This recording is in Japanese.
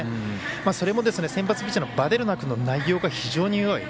それも、先発ピッチャーのヴァデルナ君の内容が非常によい。